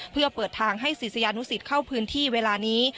เพื่อเปิดทางให้ศิษยานุสิตเข้าพื้นที่เวลานี้